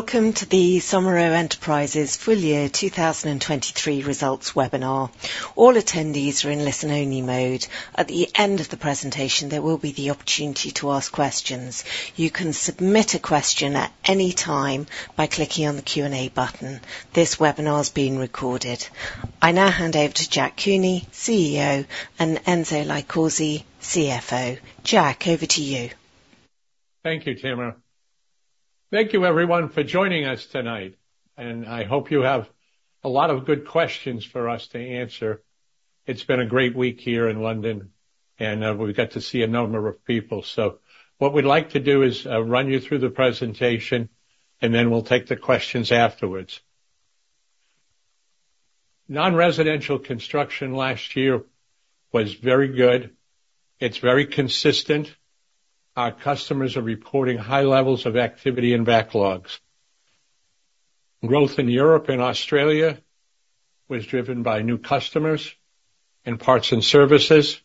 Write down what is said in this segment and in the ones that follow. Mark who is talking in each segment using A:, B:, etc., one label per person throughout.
A: Welcome to the Somero Enterprises full year 2023 results webinar. All attendees are in listen-only mode. At the end of the presentation, there will be the opportunity to ask questions. You can submit a question at any time by clicking on the Q&A button. This webinar's being recorded. I now hand over to Jack Cooney, CEO, and Enzo LiCausi, CFO. Jack, over to you.
B: Thank you, Tim. Thank you, everyone, for joining us tonight. I hope you have a lot of good questions for us to answer. It's been a great week here in London, and we've got to see a number of people. What we'd like to do is run you through the presentation, and then we'll take the questions afterwards. Non-residential construction last year was very good. It's very consistent. Our customers are reporting high levels of activity and backlogs. Growth in Europe and Australia was driven by new customers in parts and services.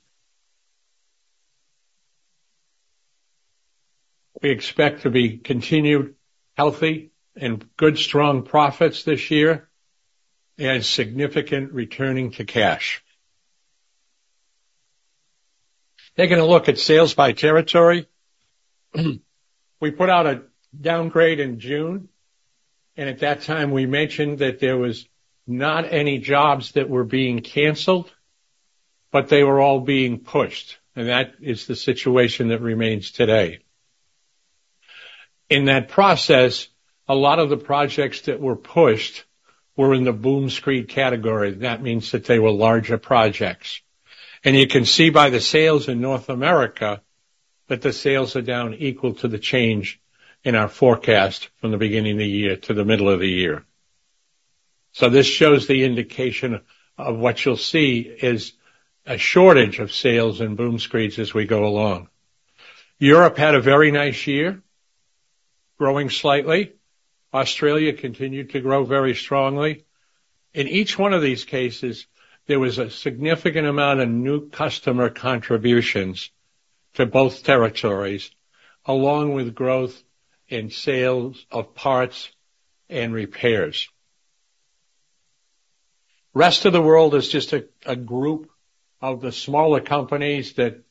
B: We expect to be continued healthy and good, strong profits this year and significant returning to cash. Taking a look at sales by territory, we put out a downgrade in June. At that time, we mentioned that there was not any jobs that were being canceled, but they were all being pushed. And that is the situation that remains today. In that process, a lot of the projects that were pushed were in the boom screed category. That means that they were larger projects. And you can see by the sales in North America that the sales are down equal to the change in our forecast from the beginning of the year to the middle of the year. So this shows the indication of what you'll see is a shortage of sales and boom screeds as we go along. Europe had a very nice year, growing slightly. Australia continued to grow very strongly. In each one of these cases, there was a significant amount of new customer contributions to both territories, along with growth in sales of parts and repairs. Rest of the world is just a group of the smaller companies that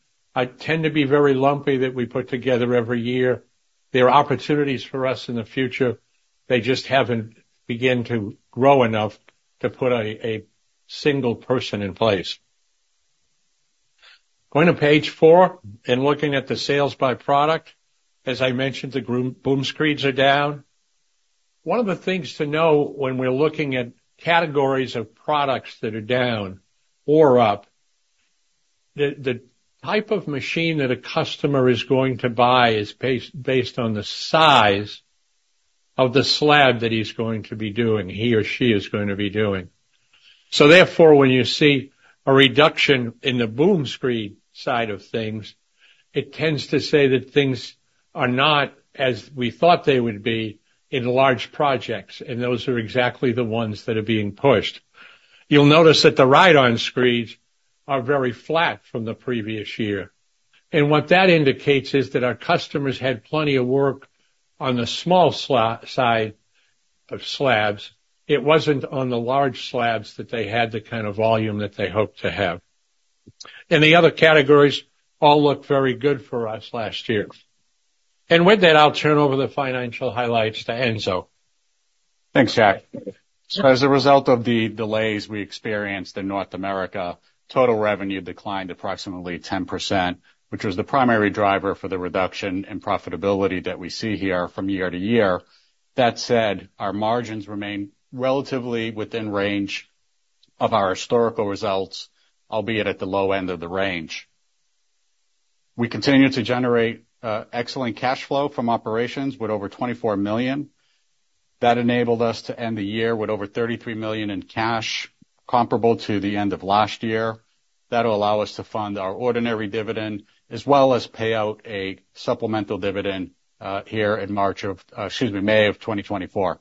B: tend to be very lumpy that we put together every year. There are opportunities for us in the future. They just haven't begun to grow enough to put a single person in place. Going to page four and looking at the sales by product, as I mentioned, the boom screeds are down. One of the things to know when we're looking at categories of products that are down or up, the type of machine that a customer is going to buy is based on the size of the slab that he's going to be doing, he or she is going to be doing. So therefore, when you see a reduction in the boom screed side of things, it tends to say that things are not as we thought they would be in large projects. And those are exactly the ones that are being pushed. You'll notice that the ride-on screeds are very flat from the previous year. And what that indicates is that our customers had plenty of work on the small slab side of slabs. It wasn't on the large slabs that they had the kind of volume that they hoped to have. And the other categories all looked very good for us last year. And with that, I'll turn over the financial highlights to Enzo.
C: Thanks, Jack. So as a result of the delays we experienced in North America, total revenue declined approximately 10%, which was the primary driver for the reduction in profitability that we see here from year to year. That said, our margins remain relatively within range of our historical results, albeit at the low end of the range. We continue to generate excellent cash flow from operations with over $24 million. That enabled us to end the year with over $33 million in cash comparable to the end of last year. That'll allow us to fund our ordinary dividend as well as pay out a supplemental dividend, here in March of excuse me, May of 2024.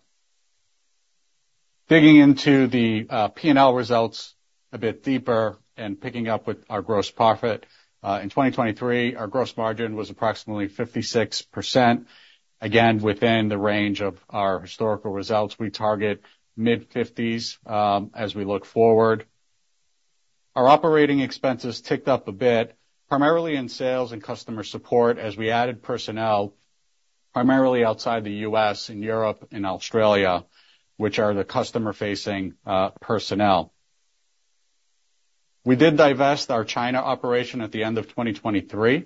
C: Digging into the P&L results a bit deeper and picking up with our gross profit, in 2023, our gross margin was approximately 56%, again, within the range of our historical results. We target mid-50s, as we look forward. Our operating expenses ticked up a bit, primarily in sales and customer support as we added personnel, primarily outside the U.S., in Europe, and Australia, which are the customer-facing personnel. We did divest our China operation at the end of 2023.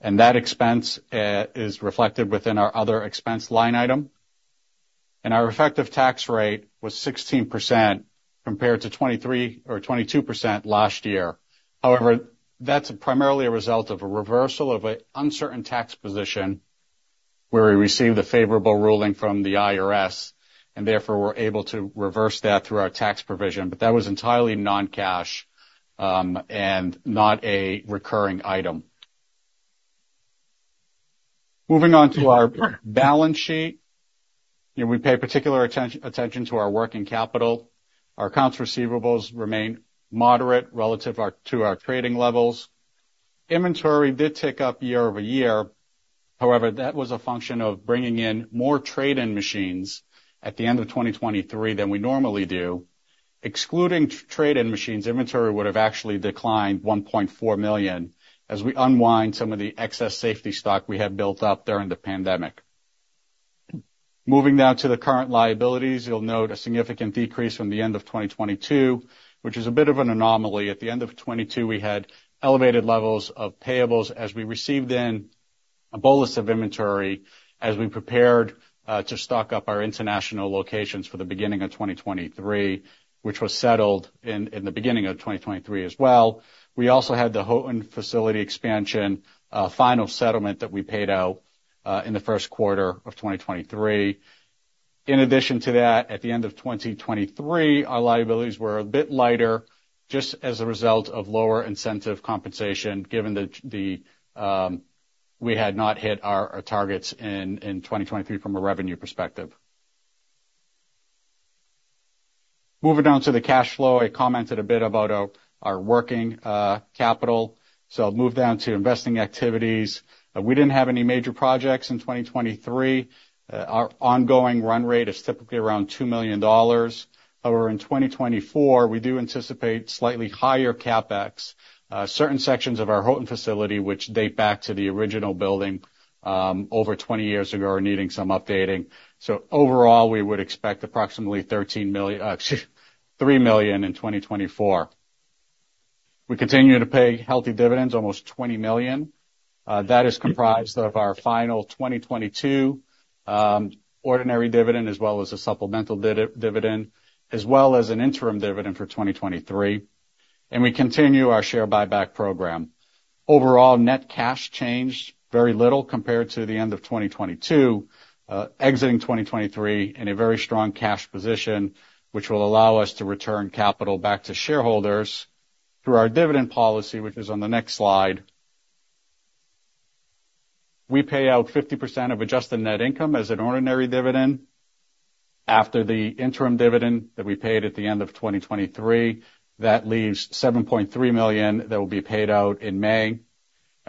C: That expense is reflected within our other expense line item. Our effective tax rate was 16% compared to 23% or 22% last year. However, that's primarily a result of a reversal of an uncertain tax position where we received a favorable ruling from the IRS and therefore were able to reverse that through our tax provision. That was entirely non-cash, and not a recurring item. Moving on to our balance sheet, you know, we pay particular attention to our working capital. Our accounts receivables remain moderate relative to our trading levels. Inventory did tick up year-over-year. However, that was a function of bringing in more trade-in machines at the end of 2023 than we normally do. Excluding trade-in machines, inventory would have actually declined $1.4 million as we unwind some of the excess safety stock we had built up during the pandemic. Moving down to the current liabilities, you'll note a significant decrease from the end of 2022, which is a bit of an anomaly. At the end of 2022, we had elevated levels of payables as we received in a bolus of inventory as we prepared to stock up our international locations for the beginning of 2023, which was settled in in the beginning of 2023 as well. We also had the Houghton facility expansion final settlement that we paid out in the first quarter of 2023. In addition to that, at the end of 2023, our liabilities were a bit lighter just as a result of lower incentive compensation given that we had not hit our targets in 2023 from a revenue perspective. Moving on to the cash flow, I commented a bit about our working capital. So I'll move down to investing activities. We didn't have any major projects in 2023. Our ongoing run rate is typically around $2 million. However, in 2024, we do anticipate slightly higher CapEx. Certain sections of our Houghton facility, which date back to the original building over 20 years ago, are needing some updating. So overall, we would expect approximately $13 million, excuse me, $3 million in 2024. We continue to pay healthy dividends, almost $20 million. That is comprised of our final 2022 ordinary dividend as well as a supplemental dividend as well as an interim dividend for 2023. We continue our share buyback program. Overall, net cash changed very little compared to the end of 2022, exiting 2023 in a very strong cash position, which will allow us to return capital back to shareholders through our dividend policy, which is on the next slide. We pay out 50% of adjusted net income as an ordinary dividend. After the interim dividend that we paid at the end of 2023, that leaves $7.3 million that will be paid out in May.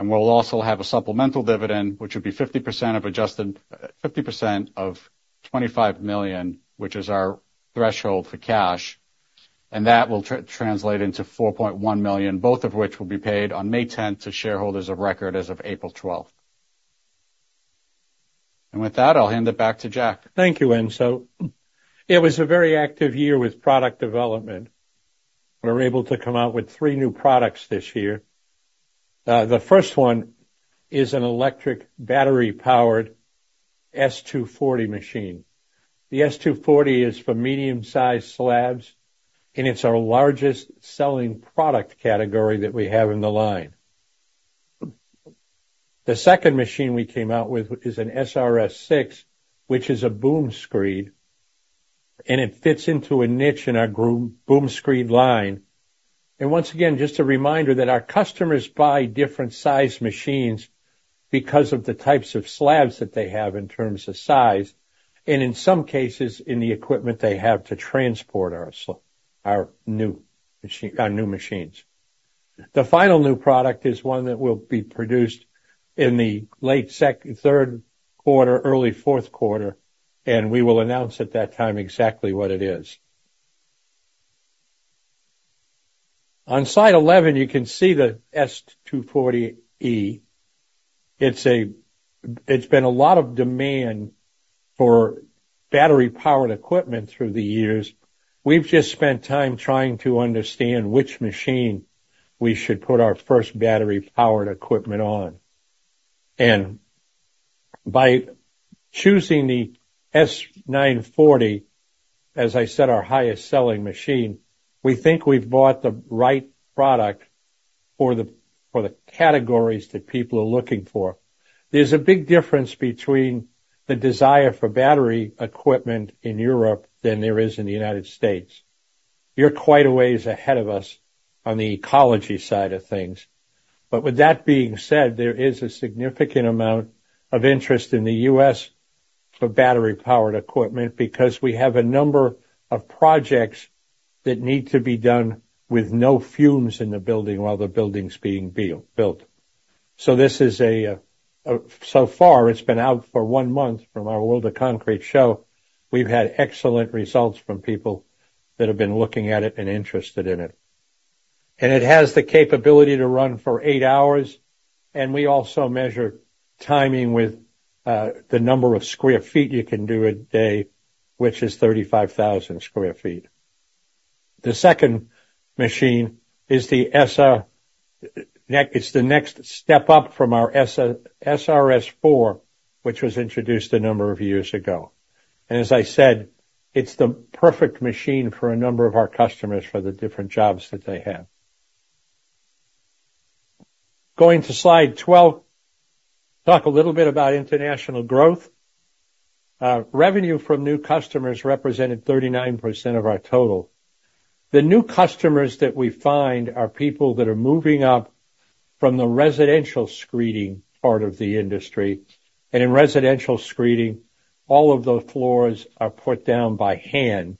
C: We'll also have a supplemental dividend, which would be 50% of adjusted 50% of $25 million, which is our threshold for cash. That will translate into $4.1 million, both of which will be paid on May 10th to shareholders of record as of April 12th. And with that, I'll hand it back to Jack.
B: Thank you, Enzo. It was a very active year with product development. We're able to come out with 3 new products this year. The first one is an electric battery-powered S-240 machine. The S-240 is for medium-sized slabs. It's our largest-selling product category that we have in the line. The second machine we came out with is an SRS-6, which is a boom screed. It fits into a niche in our boom screed line. Once again, just a reminder that our customers buy different-sized machines because of the types of slabs that they have in terms of size and, in some cases, in the equipment they have to transport our new machines. The final new product is one that will be produced in the late second third quarter, early fourth quarter. We will announce at that time exactly what it is. On slide 11, you can see the S-940E. It's been a lot of demand for battery-powered equipment through the years. We've just spent time trying to understand which machine we should put our first battery-powered equipment on. By choosing the S-940, as I said, our highest-selling machine, we think we've bought the right product for the categories that people are looking for. There's a big difference between the desire for battery equipment in Europe than there is in the United States. You're quite a ways ahead of us on the ecology side of things. But with that being said, there is a significant amount of interest in the U.S. for battery-powered equipment because we have a number of projects that need to be done with no fumes in the building while the building's being built. So this is so far, it's been out for one month from our World of Concrete show. We've had excellent results from people that have been looking at it and interested in it. And it has the capability to run for eight hours. And we also measure timing with the number of square feet you can do a day, which is 35,000 sq ft. The second machine is the SRS-6, it's the next step up from our SRS-4, which was introduced a number of years ago. As I said, it's the perfect machine for a number of our customers for the different jobs that they have. Going to slide 12, talk a little bit about international growth. Revenue from new customers represented 39% of our total. The new customers that we find are people that are moving up from the residential screeding part of the industry. And in residential screeding, all of the floors are put down by hand.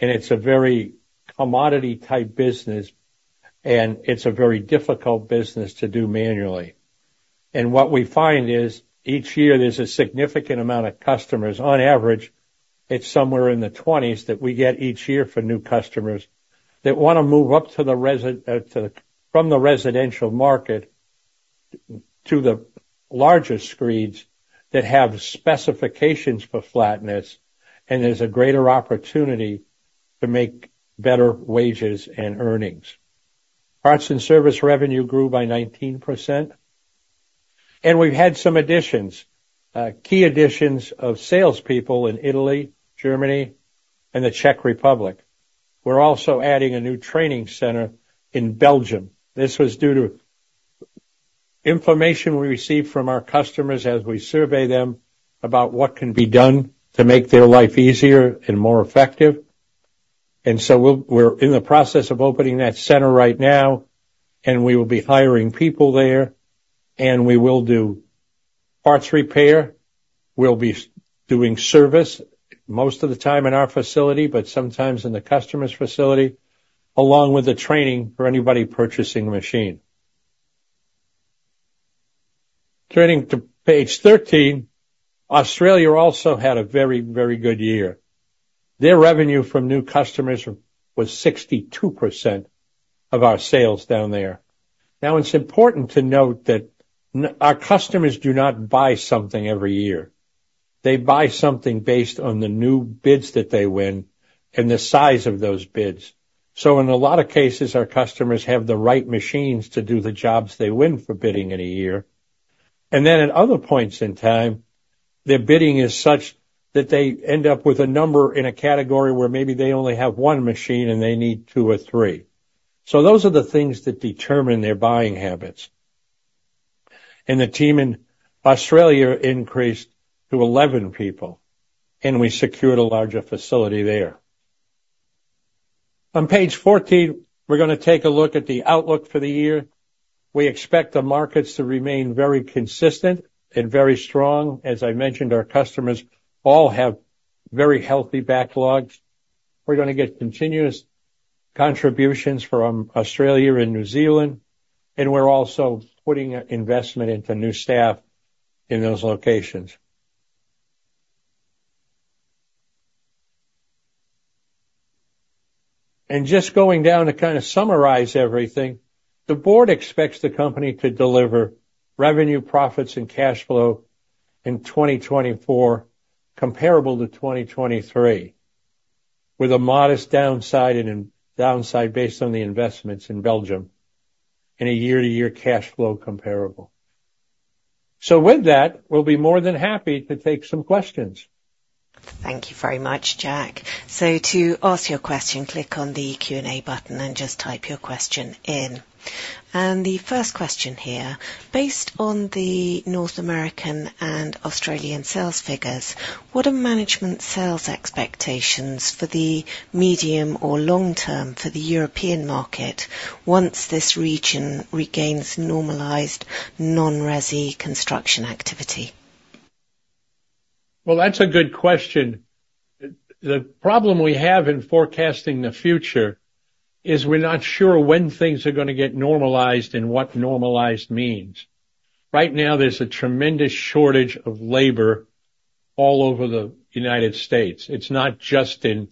B: And it's a very commodity-type business. And it's a very difficult business to do manually. And what we find is each year, there's a significant amount of customers. On average, it's somewhere in the 20s that we get each year for new customers that wanna move up from the residential market to the largest screeds that have specifications for flatness. And there's a greater opportunity to make better wages and earnings. Parts and service revenue grew by 19%. We've had some additions, key additions of salespeople in Italy, Germany, and the Czech Republic. We're also adding a new training center in Belgium. This was due to information we received from our customers as we survey them about what can be done to make their life easier and more effective. And so we're in the process of opening that center right now. And we will be hiring people there. And we will do parts repair. We'll be doing service most of the time in our facility, but sometimes in the customer's facility, along with the training for anybody purchasing a machine. Turning to page 13, Australia also had a very, very good year. Their revenue from new customers was 62% of our sales down there. Now, it's important to note that in our customers do not buy something every year. They buy something based on the new bids that they win and the size of those bids. So in a lot of cases, our customers have the right machines to do the jobs they win for bidding in a year. And then at other points in time, their bidding is such that they end up with a number in a category where maybe they only have one machine, and they need two or three. So those are the things that determine their buying habits. And the team in Australia increased to 11 people. And we secured a larger facility there. On page 14, we're gonna take a look at the outlook for the year. We expect the markets to remain very consistent and very strong. As I mentioned, our customers all have very healthy backlogs. We're gonna get continuous contributions from Australia and New Zealand. We're also putting an investment into new staff in those locations. Just going down to kinda summarize everything, the Board expects the company to deliver revenue, profits, and cash flow in 2024 comparable to 2023 with a modest downside and in downside based on the investments in Belgium and a year-to-year cash flow comparable. With that, we'll be more than happy to take some questions.
A: Thank you very much, Jack. To ask your question, click on the Q&A button and just type your question in. The first question here, based on the North American and Australian sales figures, what are management sales expectations for the medium or long term for the European market once this region regains normalized non-Resi construction activity?
B: Well, that's a good question. The problem we have in forecasting the future is we're not sure when things are gonna get normalized and what normalized means. Right now, there's a tremendous shortage of labor all over the United States. It's not just in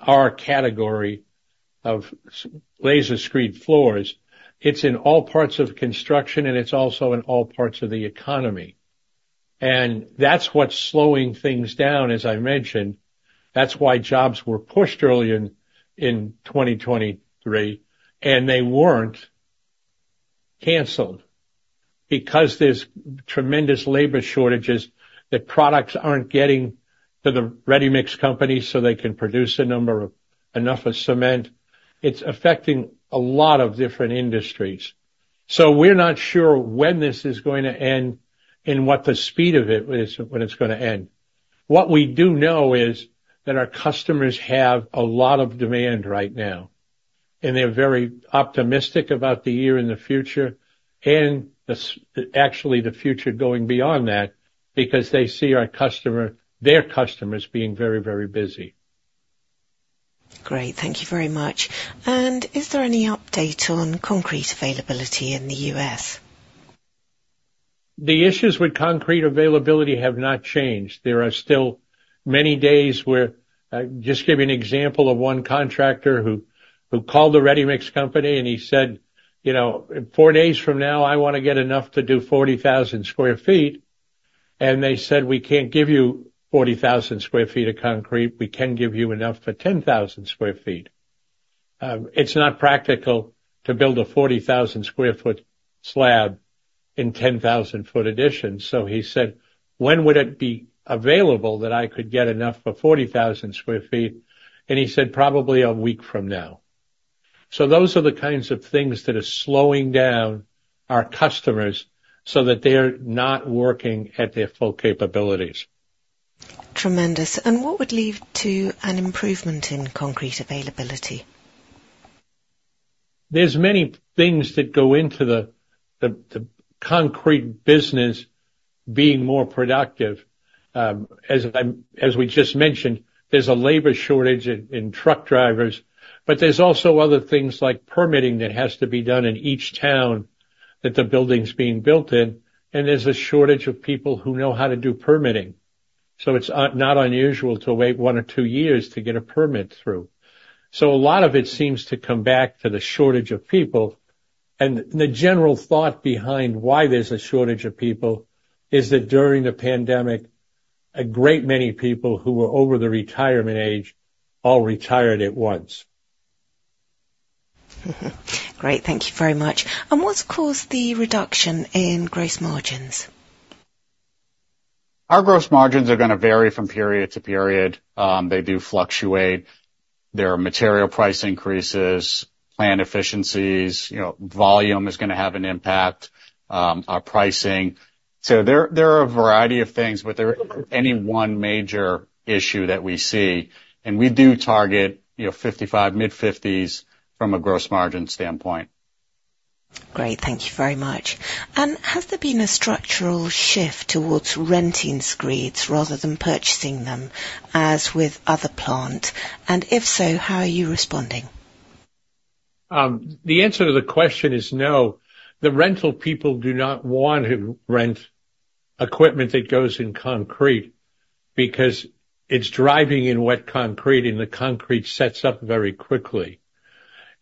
B: our category of laser screed floors. It's in all parts of construction. It's also in all parts of the economy. That's what's slowing things down, as I mentioned. That's why jobs were pushed early in 2023. They weren't canceled because there's tremendous labor shortages. The products aren't getting to the ready-mix companies so they can produce enough cement. It's affecting a lot of different industries. We're not sure when this is going to end and what the speed of it is when it's gonna end. What we do know is that our customers have a lot of demand right now. They're very optimistic about the year in the future and actually, the future going beyond that because they see our customers, their customers being very, very busy.
A: Great. Thank you very much. Is there any update on concrete availability in the U.S.?
B: The issues with concrete availability have not changed. There are still many days where just give you an example of one contractor who called the ready-mix company. And he said, you know, "In four days from now, I wanna get enough to do 40,000 sq ft." And they said, "We can't give you 40,000 sq ft of concrete. We can give you enough for 10,000 sq ft." It's not practical to build a 40,000-sq-ft slab in 10,000-sq-ft additions. So he said, "When would it be available that I could get enough for 40,000 sq ft?" And he said, "Probably a week from now." So those are the kinds of things that are slowing down our customers so that they are not working at their full capabilities.
A: Tremendous. What would lead to an improvement in concrete availability?
B: There's many things that go into the concrete business being more productive. As we just mentioned, there's a labor shortage in truck drivers. But there's also other things like permitting that has to be done in each town that the building's being built in. And there's a shortage of people who know how to do permitting. So it's not unusual to wait one or two years to get a permit through. So a lot of it seems to come back to the shortage of people. And the general thought behind why there's a shortage of people is that during the pandemic, a great many people who were over the retirement age all retired at once.
A: Great. Thank you very much. And what's caused the reduction in gross margins?
C: Our gross margins are gonna vary from period to period. They do fluctuate. There are material price increases, plant efficiencies. You know, volume is gonna have an impact, our pricing. So there are a variety of things. But is there any one major issue that we see and we do target, you know, 55, mid-50s from a gross margin standpoint.
A: Great. Thank you very much. Has there been a structural shift towards renting screeds rather than purchasing them as with other plants? If so, how are you responding?
B: The answer to the question is no. The rental people do not want to rent equipment that goes in concrete because it's driving in wet concrete. The concrete sets up very quickly.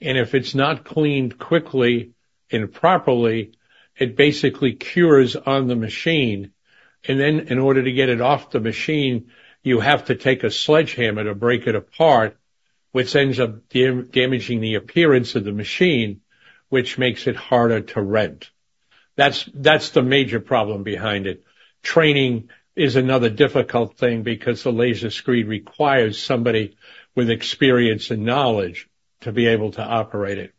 B: If it's not cleaned quickly and properly, it basically cures on the machine. Then in order to get it off the machine, you have to take a sledgehammer to break it apart, which ends up damaging the appearance of the machine, which makes it harder to rent. That's, that's the major problem behind it. Training is another difficult thing because the laser screed requires somebody with experience and knowledge to be able to operate it.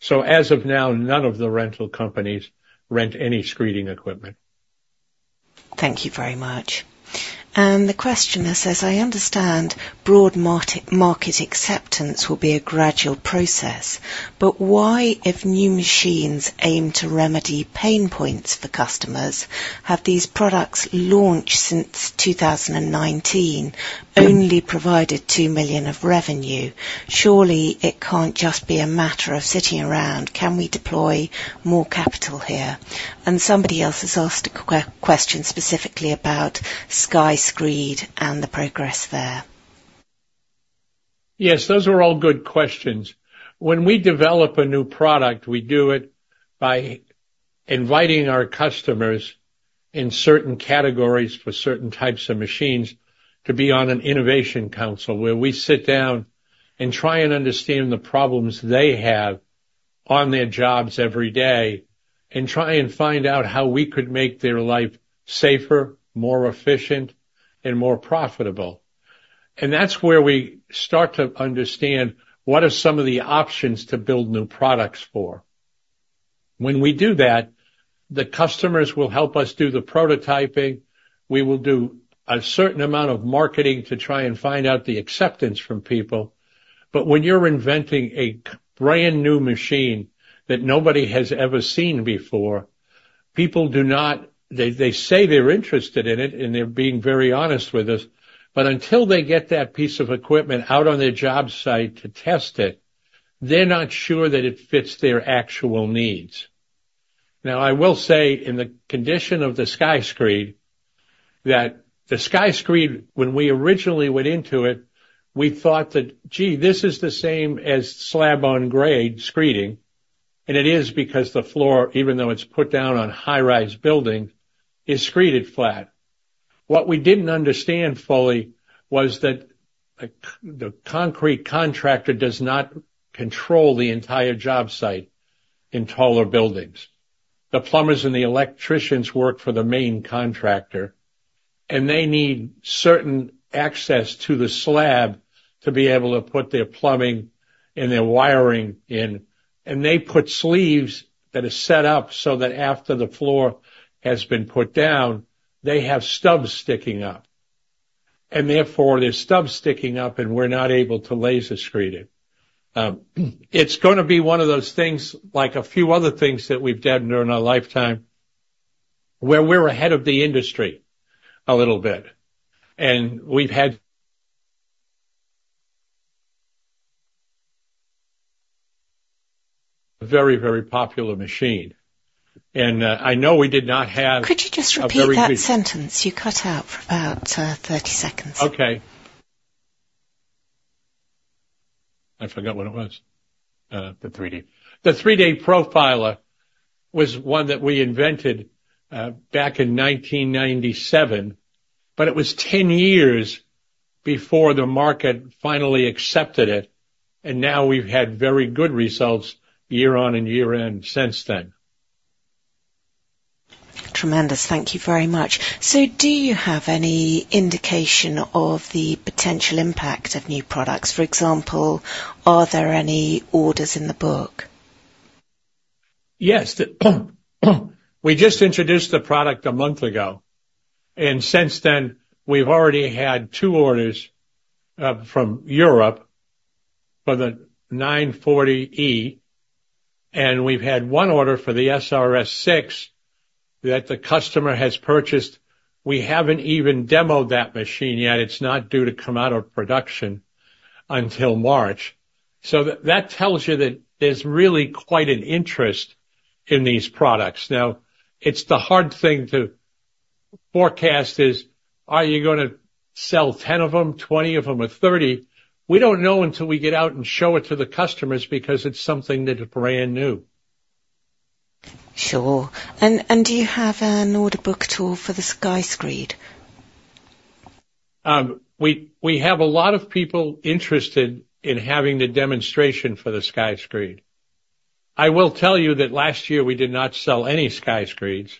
B: So as of now, none of the rental companies rent any screeding equipment.
A: Thank you very much. And the question there says, "I understand broad market acceptance will be a gradual process. But why, if new machines aim to remedy pain points for customers, have these products launched since 2019 only provided $2 million of revenue? Surely, it can't just be a matter of sitting around. Can we deploy more capital here?" And somebody else has asked a question specifically about SkyScreed and the progress there.
B: Yes. Those are all good questions. When we develop a new product, we do it by inviting our customers in certain categories for certain types of machines to be on an innovation council where we sit down and try and understand the problems they have on their jobs every day and try and find out how we could make their life safer, more efficient, and more profitable. And that's where we start to understand what are some of the options to build new products for. When we do that, the customers will help us do the prototyping. We will do a certain amount of marketing to try and find out the acceptance from people. But when you're inventing a brand-new machine that nobody has ever seen before, people do not, they say they're interested in it. And they're being very honest with us. But until they get that piece of equipment out on their job site to test it, they're not sure that it fits their actual needs. Now, I will say in the condition of the SkyScreed that the SkyScreed, when we originally went into it, we thought that, "Gee, this is the same as slab-on-grade screeding." And it is because the floor, even though it's put down on high-rise buildings, is screeded flat. What we didn't understand fully was that the concrete contractor does not control the entire job site in taller buildings. The plumbers and the electricians work for the main contractor. And they need certain access to the slab to be able to put their plumbing and their wiring in. And they put sleeves that are set up so that after the floor has been put down, they have stubs sticking up. Therefore, they're stubs sticking up. We're not able to laser screed it. It's gonna be one of those things, like a few other things that we've done during our lifetime, where we're ahead of the industry a little bit. We've had a very, very popular machine. I know we did not have a very good.
A: Could you just repeat that sentence? You cut out for about 30 seconds.
B: Okay. I forgot what it was. The 3D. The 3D Profiler was one that we invented, back in 1997. But it was 10 years before the market finally accepted it. And now, we've had very good results year on and year in since then.
A: Tremendous. Thank you very much. Do you have any indication of the potential impact of new products? For example, are there any orders in the book?
B: Yes. We just introduced the product a month ago. And since then, we've already had two orders from Europe for the 940E. And we've had one order for the SRS-6 that the customer has purchased. We haven't even demoed that machine yet. It's not due to come out of production until March. So that tells you that there's really quite an interest in these products. Now, it's the hard thing to forecast is, are you gonna sell 10 of them, 20 of them, or 30? We don't know until we get out and show it to the customers because it's something that's brand new.
A: Sure. And do you have an order booked all for the SkyScreed?
B: We have a lot of people interested in having the demonstration for the SkyScreed. I will tell you that last year, we did not sell any SkyScreeds.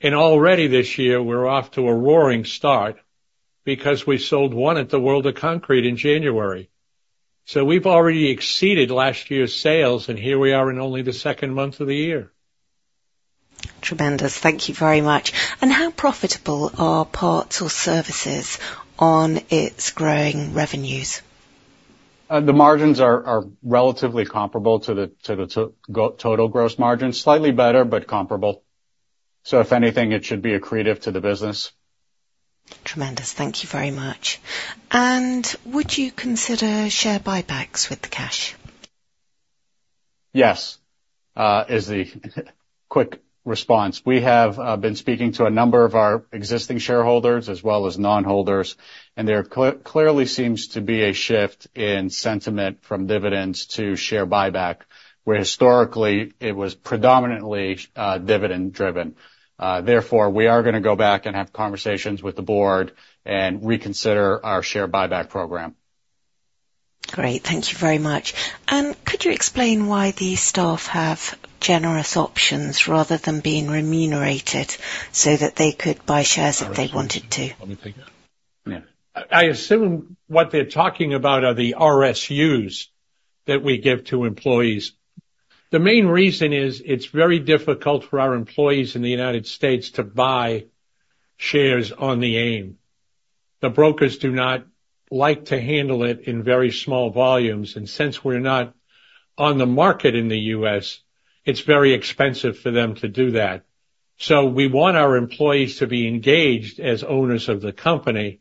B: And already this year, we're off to a roaring start because we sold one at the World of Concrete in January. So we've already exceeded last year's sales. And here we are in only the second month of the year.
A: Tremendous. Thank you very much. And how profitable are parts or services on its growing revenues?
C: The margins are relatively comparable to the total gross margin, slightly better but comparable. So if anything, it should be a credit to the business.
A: Tremendous. Thank you very much. Would you consider share buybacks with the cash?
C: Yes, is the quick response. We have been speaking to a number of our existing shareholders as well as non-holders. And there clearly seems to be a shift in sentiment from dividends to share buyback where historically, it was predominantly dividend-driven. Therefore, we are gonna go back and have conversations with the board and reconsider our share buyback program.
A: Great. Thank you very much. And could you explain why the staff have generous options rather than being remunerated so that they could buy shares if they wanted to?
B: Sorry. Let me take that.
C: Yeah.
B: I assume what they're talking about are the RSUs that we give to employees. The main reason is it's very difficult for our employees in the United States to buy shares on the AIM. The brokers do not like to handle it in very small volumes. And since we're not on the market in the U.S., it's very expensive for them to do that. So we want our employees to be engaged as owners of the company.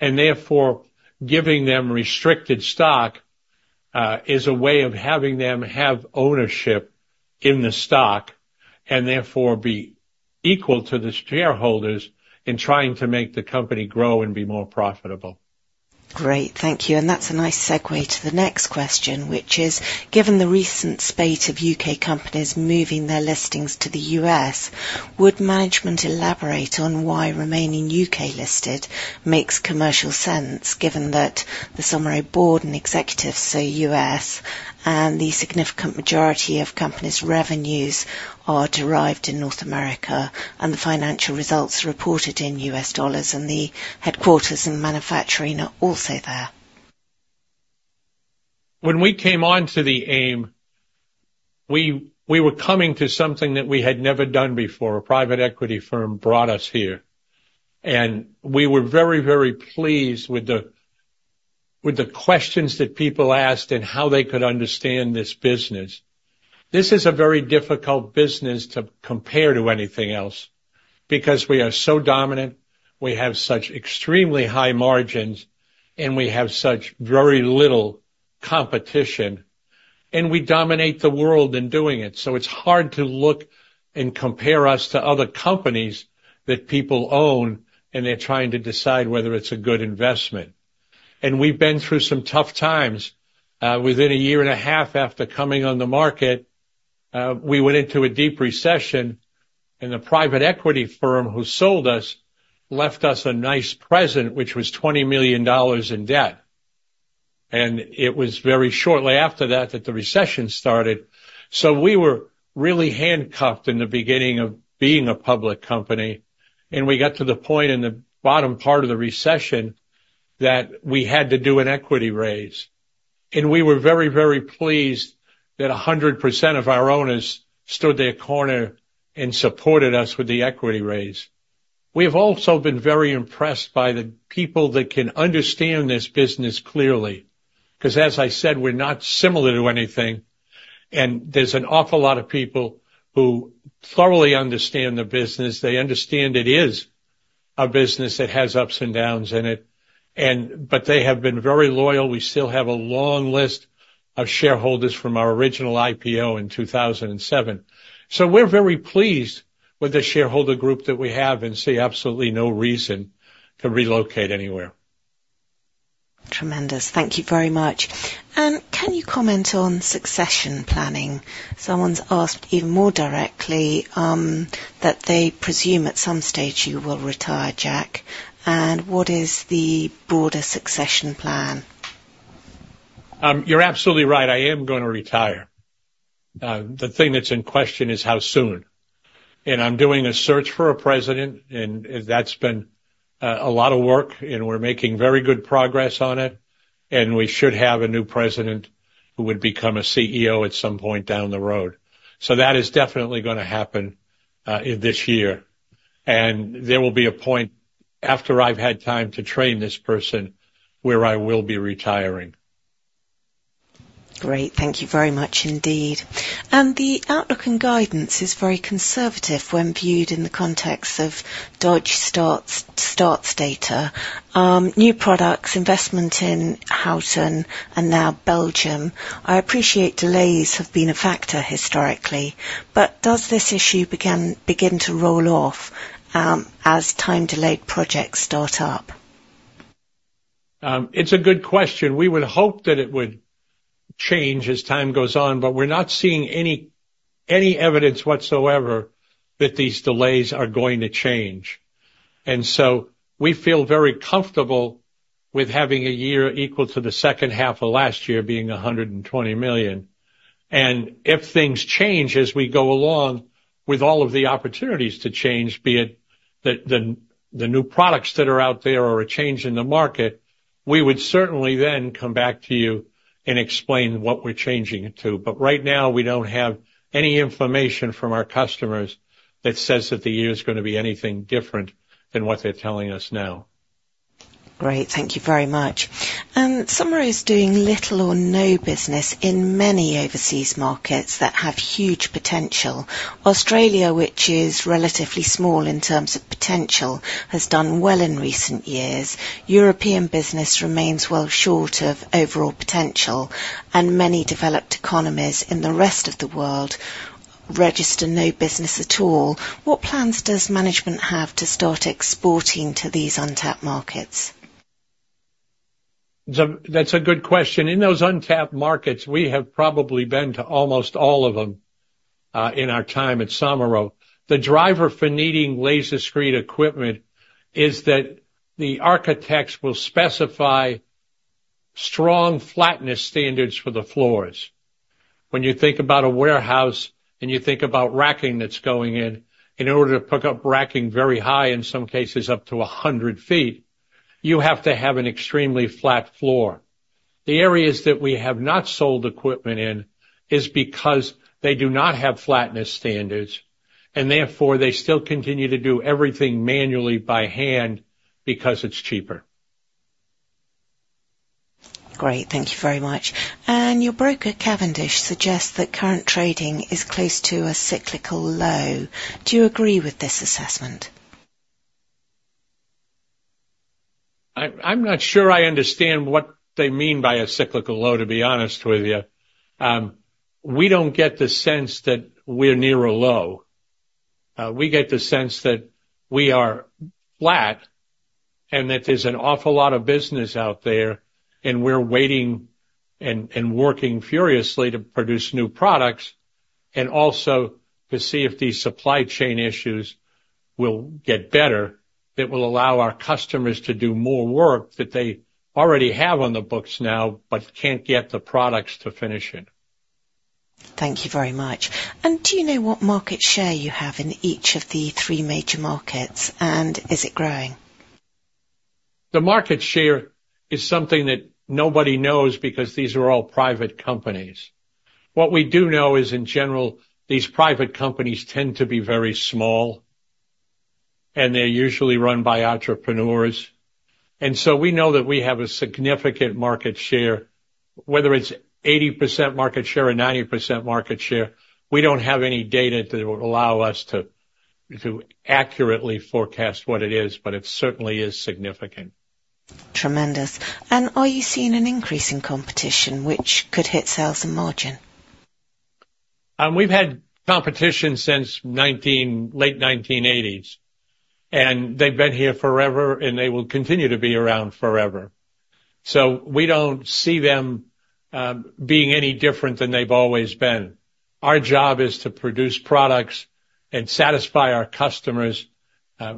B: And therefore, giving them restricted stock, is a way of having them have ownership in the stock and therefore be equal to the shareholders in trying to make the company grow and be more profitable.
A: Great. Thank you. That's a nice segue to the next question, which is, given the recent spate of U.K. companies moving their listings to the U.S., would management elaborate on why remaining U.K.-listed makes commercial sense given that the Somero board and executives, so U.S., and the significant majority of companies' revenues are derived in North America and the financial results are reported in U.S. dollars and the headquarters and manufacturing are also there?
B: When we came onto the AIM, we were coming to something that we had never done before. A private equity firm brought us here. We were very, very pleased with the questions that people asked and how they could understand this business. This is a very difficult business to compare to anything else because we are so dominant. We have such extremely high margins. We have such very little competition. We dominate the world in doing it. So it's hard to look and compare us to other companies that people own. They're trying to decide whether it's a good investment. We've been through some tough times. Within a year and a half after coming on the market, we went into a deep recession. The private equity firm who sold us left us a nice present, which was $20 million in debt. It was very shortly after that that the recession started. So we were really handcuffed in the beginning of being a public company. We got to the point in the bottom part of the recession that we had to do an equity raise. We were very, very pleased that 100% of our owners stood their corner and supported us with the equity raise. We have also been very impressed by the people that can understand this business clearly 'cause, as I said, we're not similar to anything. There's an awful lot of people who thoroughly understand the business. They understand it is a business that has ups and downs in it. But they have been very loyal. We still have a long list of shareholders from our original IPO in 2007. We're very pleased with the shareholder group that we have and see absolutely no reason to relocate anywhere.
A: Tremendous. Thank you very much. And can you comment on succession planning? Someone's asked even more directly, that they presume at some stage, you will retire, Jack. And what is the broader succession plan?
B: You're absolutely right. I am gonna retire. The thing that's in question is how soon. I'm doing a search for a President. That's been a lot of work. We're making very good progress on it. We should have a new President who would become a CEO at some point down the road. So that is definitely gonna happen in this year. There will be a point after I've had time to train this person where I will be retiring.
A: Great. Thank you very much indeed. The outlook and guidance is very conservative when viewed in the context of Dodge Starts data, new products, investment in Houghton and now Belgium. I appreciate delays have been a factor historically. But does this issue begin to roll off, as time-delayed projects start up?
B: It's a good question. We would hope that it would change as time goes on. But we're not seeing any evidence whatsoever that these delays are going to change. And so we feel very comfortable with having a year equal to the second half of last year being $120 million. And if things change as we go along with all of the opportunities to change, be it the new products that are out there or a change in the market, we would certainly then come back to you and explain what we're changing it to. But right now, we don't have any information from our customers that says that the year's gonna be anything different than what they're telling us now.
A: Great. Thank you very much. Somero is doing little or no business in many overseas markets that have huge potential. Australia, which is relatively small in terms of potential, has done well in recent years. European business remains well short of overall potential. Many developed economies in the rest of the world register no business at all. What plans does management have to start exporting to these untapped markets?
B: That's a good question. In those untapped markets, we have probably been to almost all of them, in our time at Somero. The driver for needing laser screed equipment is that the architects will specify strong flatness standards for the floors. When you think about a warehouse and you think about racking that's going in, in order to pick up racking very high, in some cases, up to 100 feet, you have to have an extremely flat floor. The areas that we have not sold equipment in is because they do not have flatness standards. And therefore, they still continue to do everything manually by hand because it's cheaper.
A: Great. Thank you very much. And your broker, Cavendish, suggests that current trading is close to a cyclical low. Do you agree with this assessment?
B: I'm not sure I understand what they mean by a cyclical low, to be honest with you. We don't get the sense that we're near a low. We get the sense that we are flat and that there's an awful lot of business out there. We're waiting and working furiously to produce new products and also to see if these supply chain issues will get better that will allow our customers to do more work that they already have on the books now but can't get the products to finish it.
A: Thank you very much. Do you know what market share you have in each of the three major markets? Is it growing?
B: The market share is something that nobody knows because these are all private companies. What we do know is, in general, these private companies tend to be very small. They're usually run by entrepreneurs. So we know that we have a significant market share. Whether it's 80% market share or 90% market share, we don't have any data that will allow us to accurately forecast what it is. But it certainly is significant.
A: Tremendous. And are you seeing an increase in competition which could hit sales and margin?
B: We've had competition since the late 1980s. They've been here forever. They will continue to be around forever. We don't see them being any different than they've always been. Our job is to produce products and satisfy our customers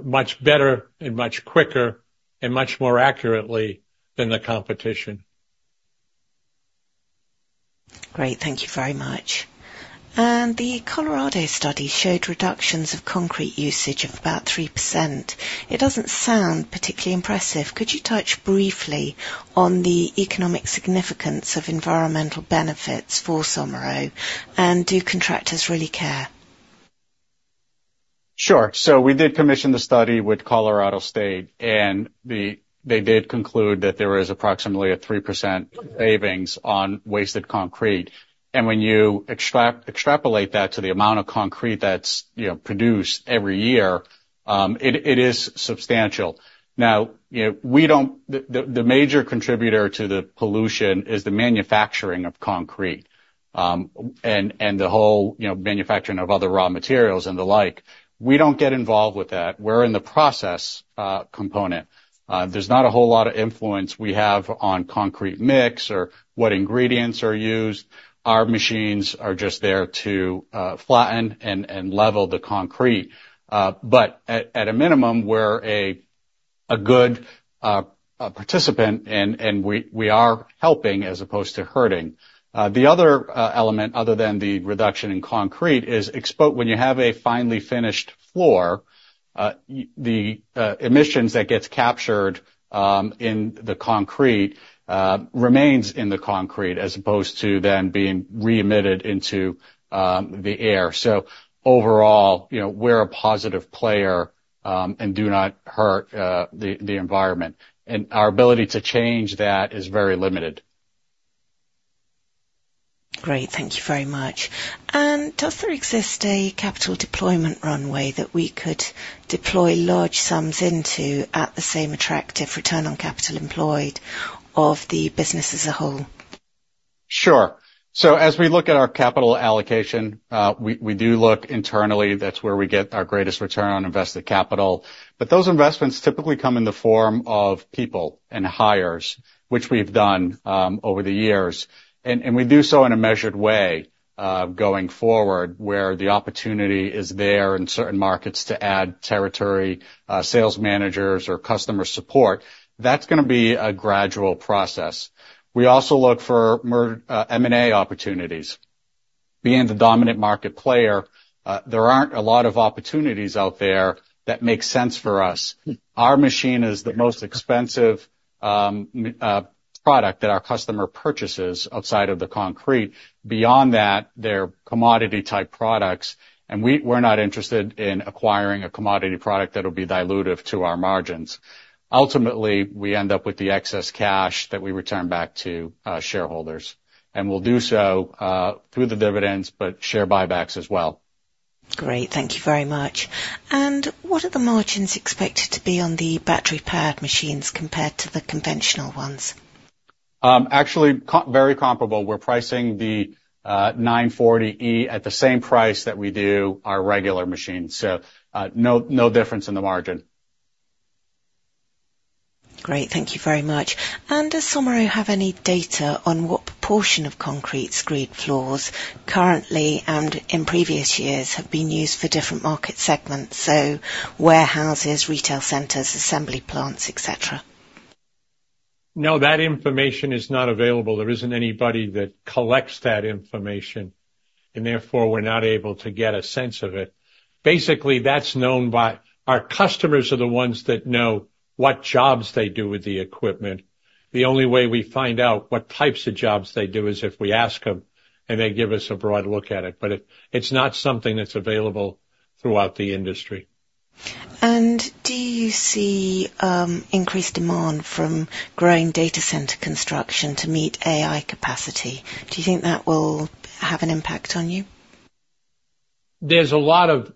B: much better and much quicker and much more accurately than the competition.
A: Great. Thank you very much. The Colorado study showed reductions of concrete usage of about 3%. It doesn't sound particularly impressive. Could you touch briefly on the economic significance of environmental benefits for Somero? Do contractors really care?
C: Sure. So we did commission the study with Colorado State. And they did conclude that there was approximately a 3% savings on wasted concrete. And when you extrapolate that to the amount of concrete that's, you know, produced every year, it is substantial. Now, you know, we don't, the major contributor to the pollution is the manufacturing of concrete, and the whole, you know, manufacturing of other raw materials and the like. We don't get involved with that. We're in the process, component. There's not a whole lot of influence we have on concrete mix or what ingredients are used. Our machines are just there to flatten and level the concrete. But at a minimum, we're a good participant. And we are helping as opposed to hurting. The other element other than the reduction in concrete is exposure when you have a finely finished floor, why the emissions that gets captured in the concrete remains in the concrete as opposed to then being re-emitted into the air. So overall, you know, we're a positive player, and do not hurt the environment. Our ability to change that is very limited.
A: Great. Thank you very much. Does there exist a capital deployment runway that we could deploy large sums into at the same attractive return on capital employed of the business as a whole?
C: Sure. So as we look at our capital allocation, we do look internally. That's where we get our greatest return on invested capital. But those investments typically come in the form of people and hires, which we've done over the years. And we do so in a measured way, going forward where the opportunity is there in certain markets to add territory sales managers or customer support. That's gonna be a gradual process. We also look for M&A opportunities. Being the dominant market player, there aren't a lot of opportunities out there that make sense for us. Our machine is the most expensive product that our customer purchases outside of the concrete. Beyond that, they're commodity-type products. And we're not interested in acquiring a commodity product that'll be dilutive to our margins. Ultimately, we end up with the excess cash that we return back to shareholders. We'll do so through the dividends but share buybacks as well.
A: Great. Thank you very much. And what are the margins expected to be on the battery-powered machines compared to the conventional ones?
C: Actually, comparable. We're pricing the S-940e at the same price that we do our regular machines. So, no, no difference in the margin.
A: Great. Thank you very much. Does Somero have any data on what proportion of concrete-screeded floors currently and in previous years have been used for different market segments, so warehouses, retail centers, assembly plants, etc.?
B: No, that information is not available. There isn't anybody that collects that information. Therefore, we're not able to get a sense of it. Basically, that's known by our customers are the ones that know what jobs they do with the equipment. The only way we find out what types of jobs they do is if we ask them. They give us a broad look at it. But it's not something that's available throughout the industry.
A: Do you see increased demand from growing data center construction to meet AI capacity? Do you think that will have an impact on you?
B: There's a lot of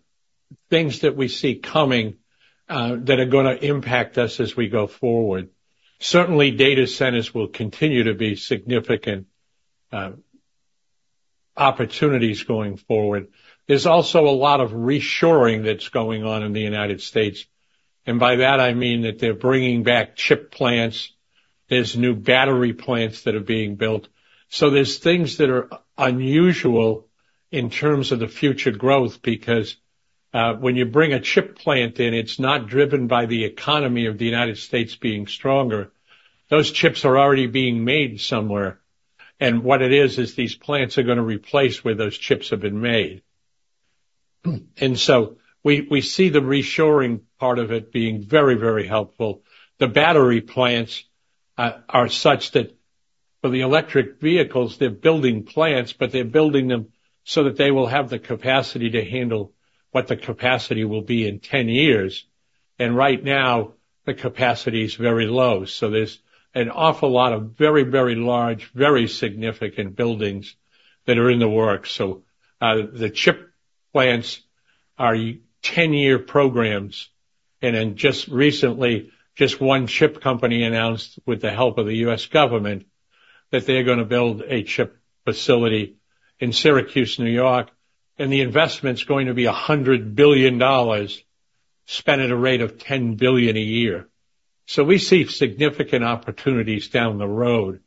B: things that we see coming, that are gonna impact us as we go forward. Certainly, data centers will continue to be significant opportunities going forward. There's also a lot of reshoring that's going on in the United States. And by that, I mean that they're bringing back chip plants. There's new battery plants that are being built. So there's things that are unusual in terms of the future growth because, when you bring a chip plant in, it's not driven by the economy of the United States being stronger. Those chips are already being made somewhere. And what it is, is these plants are gonna replace where those chips have been made. And so we see the reshoring part of it being very, very helpful. The battery plants are such that for the electric vehicles, they're building plants. But they're building them so that they will have the capacity to handle what the capacity will be in 10 years. And right now, the capacity is very low. So there's an awful lot of very, very large, very significant buildings that are in the works. So, the chip plants are 10-year programs. And, and just recently, just one chip company announced with the help of the U.S. government that they're gonna build a chip facility in Syracuse, New York. And the investment's going to be $100 billion, spent at a rate of $10 billion a year. So we see significant opportunities down the road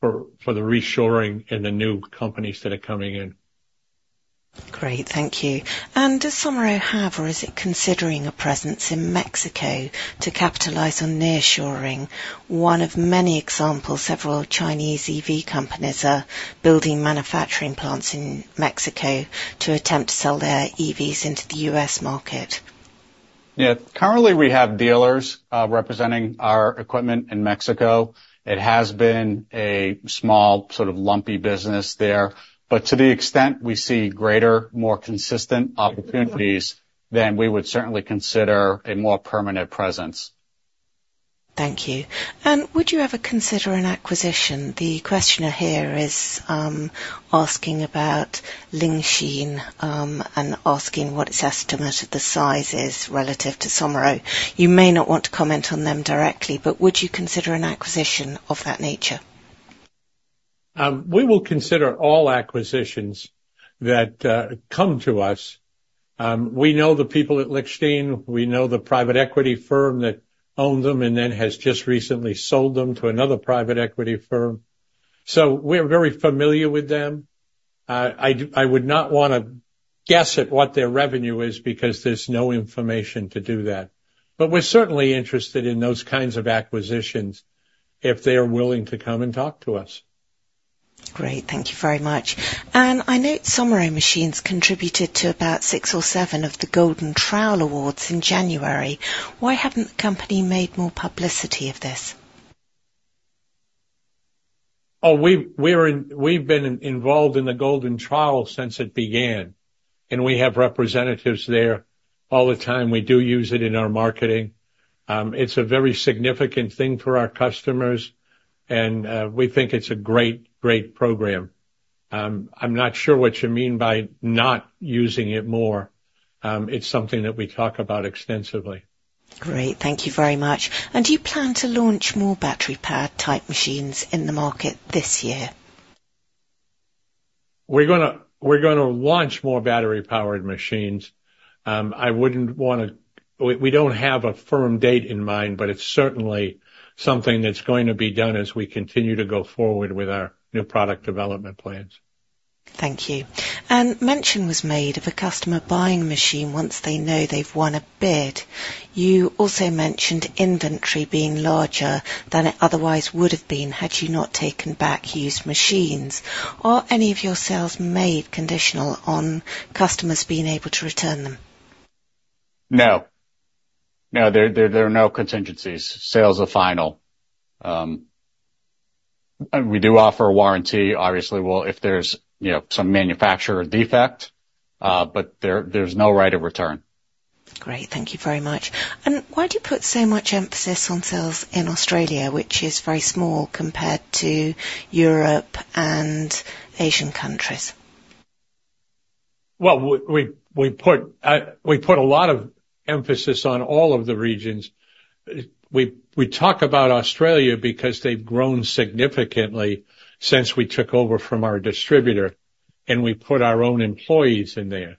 B: for, for the reshoring and the new companies that are coming in.
A: Great. Thank you. And does Somero have or is it considering a presence in Mexico to capitalize on nearshoring? One of many examples, several Chinese EV companies are building manufacturing plants in Mexico to attempt to sell their EVs into the U.S. market.
C: Yeah. Currently, we have dealers, representing our equipment in Mexico. It has been a small sort of lumpy business there. But to the extent we see greater, more consistent opportunities, then we would certainly consider a more permanent presence.
A: Thank you. Would you ever consider an acquisition? The questioner here is asking about Lingxin, and asking what its estimate of the size is relative to Somero. You may not want to comment on them directly. Would you consider an acquisition of that nature?
B: We will consider all acquisitions that come to us. We know the people at Lingxin. We know the private equity firm that owned them and then has just recently sold them to another private equity firm. So we're very familiar with them. I would not wanna guess at what their revenue is because there's no information to do that. But we're certainly interested in those kinds of acquisitions if they're willing to come and talk to us.
A: Great. Thank you very much. I note Somero Machines contributed to about six or seven of the Golden Trowel Awards in January. Why haven't the company made more publicity of this?
B: Oh, we've been involved in the Golden Trowel since it began. And we have representatives there all the time. We do use it in our marketing. It's a very significant thing for our customers. And we think it's a great, great program. I'm not sure what you mean by not using it more. It's something that we talk about extensively.
A: Great. Thank you very much. And do you plan to launch more battery-powered type machines in the market this year?
B: We're gonna launch more battery-powered machines. I wouldn't wanna. We don't have a firm date in mind. But it's certainly something that's going to be done as we continue to go forward with our new product development plans.
A: Thank you. Mention was made of a customer buying machine once they know they've won a bid. You also mentioned inventory being larger than it otherwise would have been had you not taken back used machines. Are any of your sales made conditional on customers being able to return them?
C: No. There are no contingencies. Sales are final. We do offer a warranty, obviously, well, if there's, you know, some manufacturer defect. But there's no right of return.
A: Great. Thank you very much. Why do you put so much emphasis on sales in Australia, which is very small compared to Europe and Asian countries?
B: Well, we put a lot of emphasis on all of the regions. We talk about Australia because they've grown significantly since we took over from our distributor. And we put our own employees in there.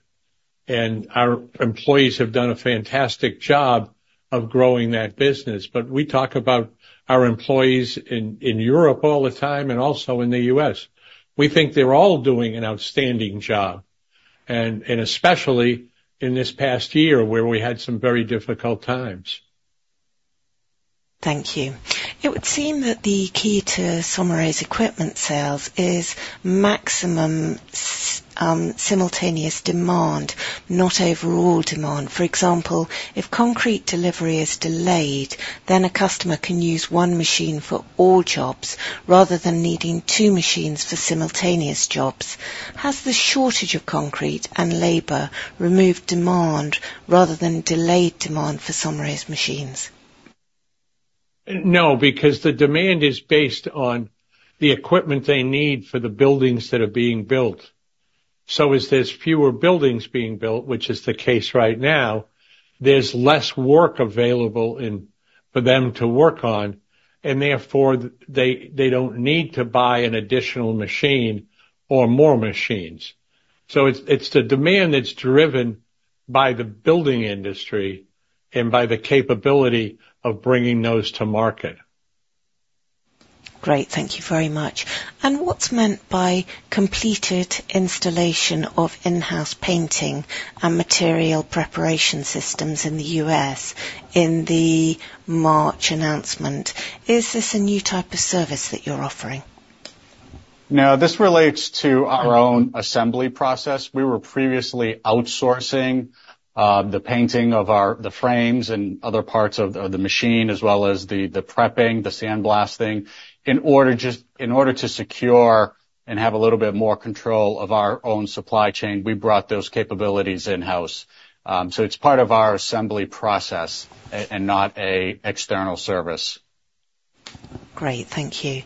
B: And our employees have done a fantastic job of growing that business. But we talk about our employees in Europe all the time and also in the U.S. We think they're all doing an outstanding job. And especially in this past year where we had some very difficult times.
A: Thank you. It would seem that the key to Somero's equipment sales is maximum simultaneous demand, not overall demand. For example, if concrete delivery is delayed, then a customer can use one machine for all jobs rather than needing two machines for simultaneous jobs. Has the shortage of concrete and labor removed demand rather than delayed demand for Somero's machines?
B: No. Because the demand is based on the equipment they need for the buildings that are being built. So as there's fewer buildings being built, which is the case right now, there's less work available in for them to work on. And therefore, they don't need to buy an additional machine or more machines. So it's the demand that's driven by the building industry and by the capability of bringing those to market.
A: Great. Thank you very much. What's meant by completed installation of in-house painting and material preparation systems in the U.S. in the March announcement? Is this a new type of service that you're offering?
C: Now, this relates to our own assembly process. We were previously outsourcing the painting of our the frames and other parts of the machine as well as the prepping, the sandblasting. In order just to secure and have a little bit more control of our own supply chain, we brought those capabilities in-house. So it's part of our assembly process and not an external service.
A: Great. Thank you.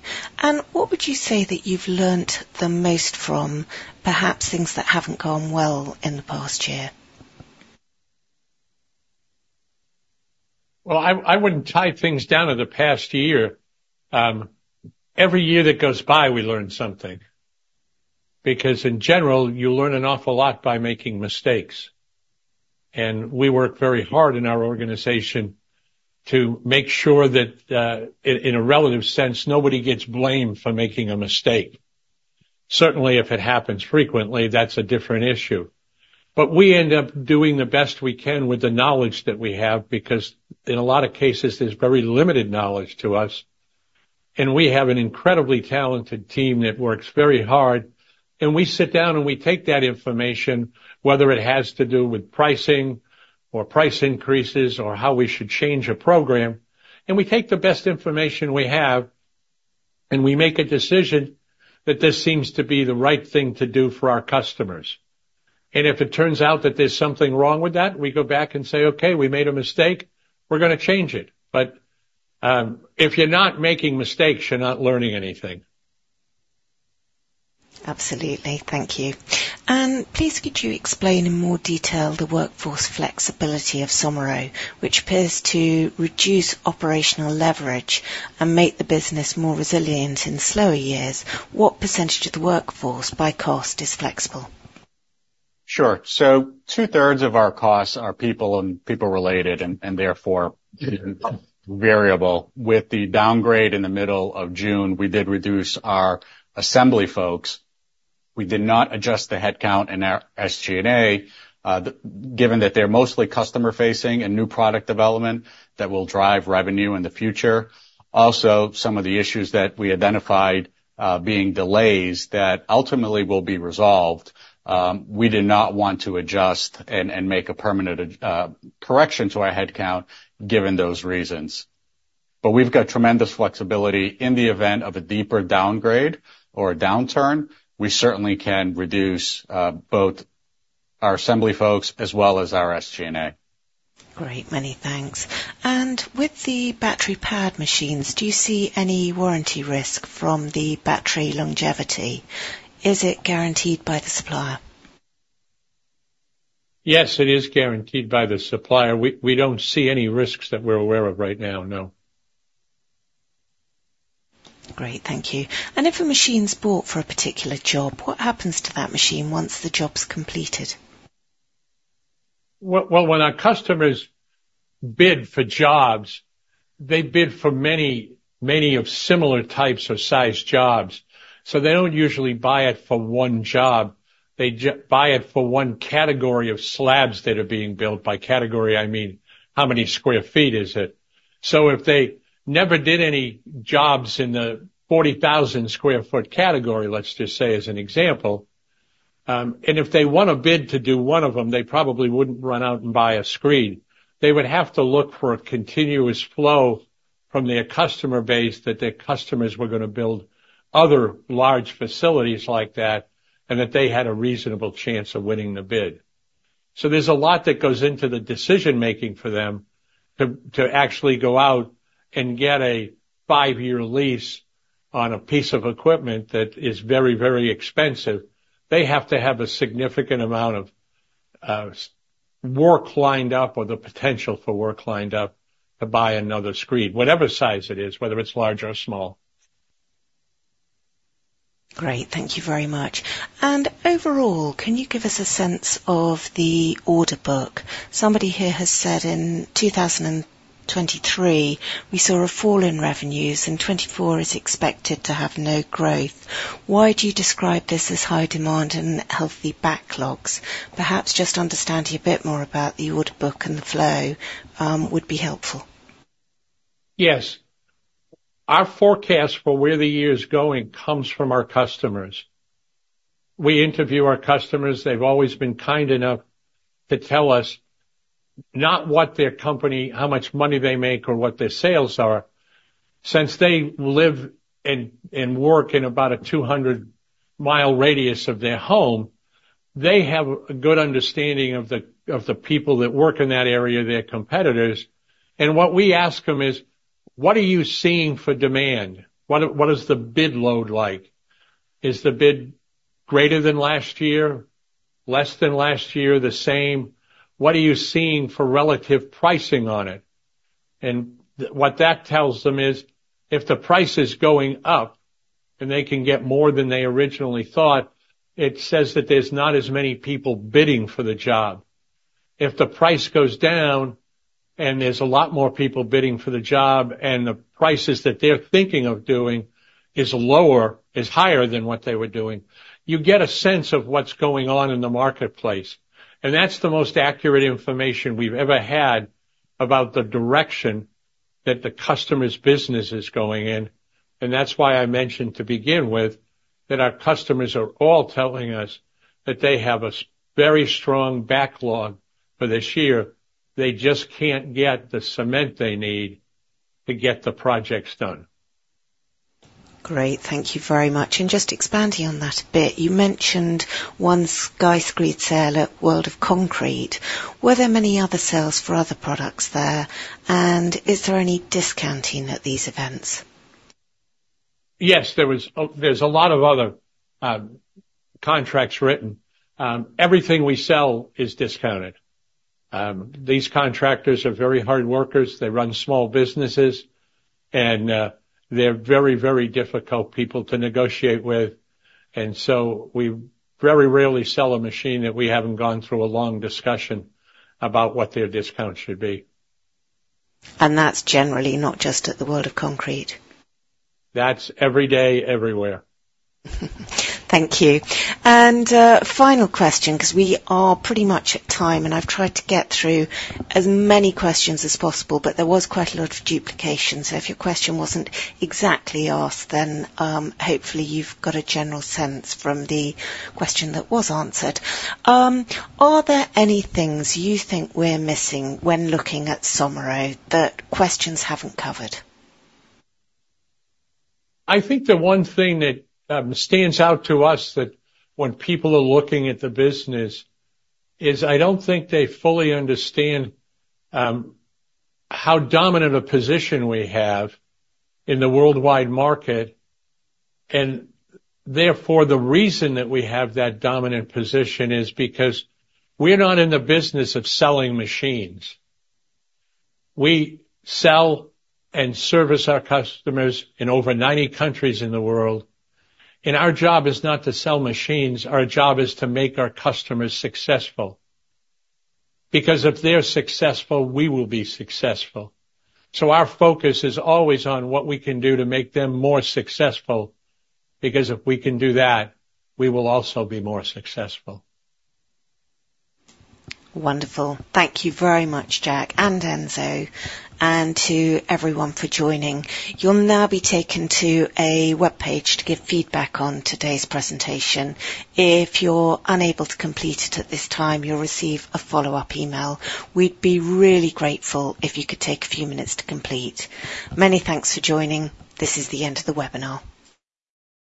A: What would you say that you've learned the most from, perhaps things that haven't gone well in the past year?
B: Well, I wouldn't tie things down to the past year. Every year that goes by, we learn something. Because in general, you learn an awful lot by making mistakes. We work very hard in our organization to make sure that, in a relative sense, nobody gets blamed for making a mistake. Certainly, if it happens frequently, that's a different issue. But we end up doing the best we can with the knowledge that we have because in a lot of cases, there's very limited knowledge to us. We have an incredibly talented team that works very hard. We sit down, and we take that information, whether it has to do with pricing or price increases or how we should change a program. We take the best information we have. We make a decision that this seems to be the right thing to do for our customers. And if it turns out that there's something wrong with that, we go back and say, "Okay. We made a mistake. We're gonna change it." But, if you're not making mistakes, you're not learning anything.
A: Absolutely. Thank you. Please, could you explain in more detail the workforce flexibility of Somero, which appears to reduce operational leverage and make the business more resilient in slower years? What percentage of the workforce by cost is flexible?
C: Sure. So two-thirds of our costs are people and people-related and therefore, variable. With the downgrade in the middle of June, we did reduce our assembly folks. We did not adjust the headcount in our SG&A, that given that they're mostly customer-facing and new product development that will drive revenue in the future. Also, some of the issues that we identified, being delays that ultimately will be resolved, we did not want to adjust and make a permanent correction to our headcount given those reasons. But we've got tremendous flexibility in the event of a deeper downgrade or a downturn. We certainly can reduce both our assembly folks as well as our SG&A.
A: Great. Many thanks. With the battery-powered machines, do you see any warranty risk from the battery longevity? Is it guaranteed by the supplier?
B: Yes. It is guaranteed by the supplier. We don't see any risks that we're aware of right now. No.
A: Great. Thank you. And if a machine's bought for a particular job, what happens to that machine once the job's completed?
B: Well, when our customers bid for jobs, they bid for many, many of similar types or size jobs. So they don't usually buy it for one job. They just buy it for one category of slabs that are being built. By category, I mean, how many square feet is it? So if they never did any jobs in the 40,000-sq-ft category, let's just say as an example, and if they wanna bid to do one of them, they probably wouldn't run out and buy a screed. They would have to look for a continuous flow from their customer base that their customers were gonna build other large facilities like that and that they had a reasonable chance of winning the bid. There's a lot that goes into the decision-making for them to actually go out and get a five-year lease on a piece of equipment that is very, very expensive. They have to have a significant amount of work lined up or the potential for work lined up to buy another screed, whatever size it is, whether it's large or small.
A: Great. Thank you very much. Overall, can you give us a sense of the order book? Somebody here has said in 2023, "We saw a fall in revenues. And 2024 is expected to have no growth." Why do you describe this as high demand and healthy backlogs? Perhaps just understanding a bit more about the order book and the flow, would be helpful.
B: Yes. Our forecast for where the year's going comes from our customers. We interview our customers. They've always been kind enough to tell us not what their company how much money they make or what their sales are. Since they live and work in about a 200-mile radius of their home, they have a good understanding of the people that work in that area, their competitors. And what we ask them is, "What are you seeing for demand? What is the bid load like? Is the bid greater than last year, less than last year, the same? What are you seeing for relative pricing on it?" And what that tells them is, if the price is going up and they can get more than they originally thought, it says that there's not as many people bidding for the job. If the price goes down and there's a lot more people bidding for the job and the prices that they're thinking of doing is lower or higher than what they were doing, you get a sense of what's going on in the marketplace. And that's the most accurate information we've ever had about the direction that the customer's business is going in. And that's why I mentioned to begin with that our customers are all telling us that they have a very strong backlog for this year. They just can't get the cement they need to get the projects done.
A: Great. Thank you very much. And just expanding on that a bit, you mentioned one SkyScreed sale at World of Concrete. Were there many other sales for other products there? And is there any discounting at these events?
B: Yes. There's a lot of other contracts written. Everything we sell is discounted. These contractors are very hard workers. They run small businesses. And they're very, very difficult people to negotiate with. And so we very rarely sell a machine that we haven't gone through a long discussion about what their discount should be.
A: That's generally not just at the World of Concrete?
B: That's every day, everywhere.
A: Thank you. And, final question 'cause we are pretty much at time. And I've tried to get through as many questions as possible. But there was quite a lot of duplication. So if your question wasn't exactly asked, then, hopefully, you've got a general sense from the question that was answered. Are there any things you think we're missing when looking at Somero that questions haven't covered?
B: I think the one thing that stands out to us that when people are looking at the business is I don't think they fully understand how dominant a position we have in the worldwide market. And therefore, the reason that we have that dominant position is because we're not in the business of selling machines. We sell and service our customers in over 90 countries in the world. And our job is not to sell machines. Our job is to make our customers successful. Because if they're successful, we will be successful. So our focus is always on what we can do to make them more successful. Because if we can do that, we will also be more successful.
A: Wonderful. Thank you very much, Jack and Enzo. To everyone for joining. You'll now be taken to a web page to give feedback on today's presentation. If you're unable to complete it at this time, you'll receive a follow-up email. We'd be really grateful if you could take a few minutes to complete. Many thanks for joining. This is the end of the webinar.